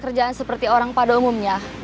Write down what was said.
kerjaan seperti orang pada umumnya